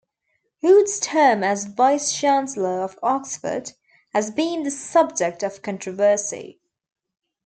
Hood's term as vice-chancellor of Oxford has been the subject of controversy.